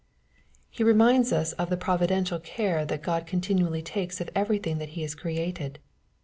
He reminds us of the providential care that God con tinually takes of everything that He has created.